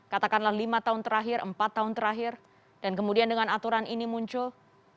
katakanlah lima tahun terakhir empat tahun terakhir dan kemudian dengan aturan ini muncul